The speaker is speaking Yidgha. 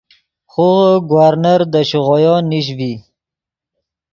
خوغے گورنر دے شیغویو نیش ڤی